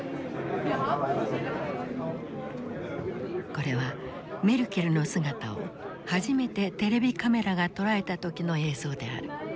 これはメルケルの姿を初めてテレビカメラが捉えた時の映像である。